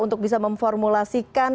untuk bisa memformulasikan